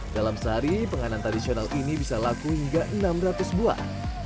dalam sehari penganan tradisional ini bisa laku hingga enam ratus buah